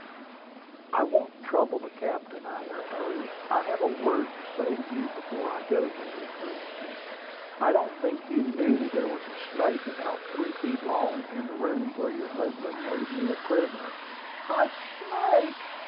"I won't trouble the captain," I interposed. "I have a word to say to you before I go, Mrs. Boomsby. I don't think you knew there was a snake about three feet long in the room where your husband made me a prisoner." "A snake!"